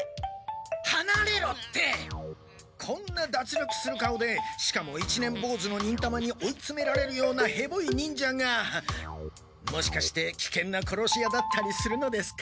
はなれろってこんなだつりょくする顔でしかも一年ぼうずの忍たまに追いつめられるようなヘボい忍者がもしかしてきけんなころし屋だったりするのですか？